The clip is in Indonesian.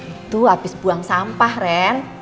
itu habis buang sampah ren